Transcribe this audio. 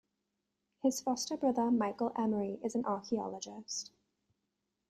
His foster brother, Michael Emery, is an archaeologist.